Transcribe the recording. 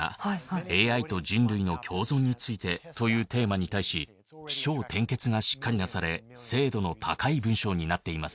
ＡＩと人類の共存についてというテーマに対し起承転結がしっかりなされ精度の高い文章になっています。